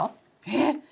えっ！